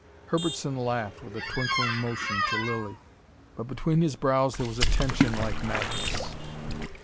Herbertson laughed with a twinkling motion to Lilly. But between his brows there was a tension like madness.